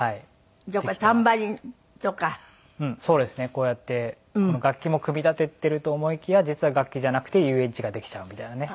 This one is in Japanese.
こうやって楽器も組み立てていると思いきや実は楽器じゃなくて遊園地ができちゃうみたいなね。